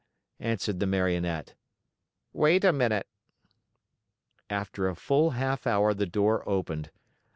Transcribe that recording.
answered the Marionette. "Wait a minute." After a full half hour the door opened.